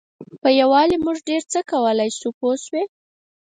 په یووالي موږ ډېر څه کولای شو پوه شوې!.